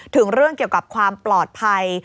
ถึงเรื่องเกี่ยวกับความปลอดภัย